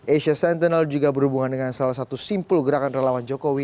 asia sentinel juga berhubungan dengan salah satu simpul gerakan relawan jokowi